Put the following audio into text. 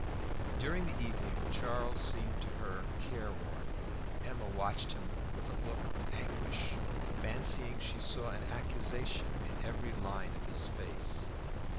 During the evening Charles seemed to her careworn. Emma watched him with a look of anguish, fancying she saw an accusation in every line of his face.